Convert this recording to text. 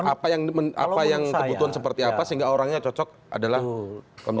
apa yang kebutuhan seperti apa sehingga orangnya cocok adalah pemerintah